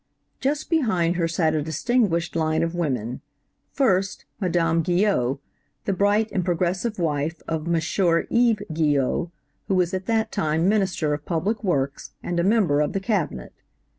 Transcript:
"Just behind her sat a distinguished line of women. First, Madame Guyot, the bright and progressive wife of M. Yves Guyot, who was at that time minister of public works, and a member of the Cabinet.